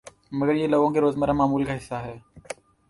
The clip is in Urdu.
مگر یہ لوگوں کے روزمرہ معمول کا حصہ ہے